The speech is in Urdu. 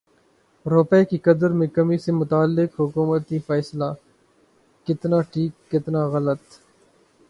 روپے کی قدر میں کمی سے متعلق حکومتی فیصلہ کتنا ٹھیک کتنا غلط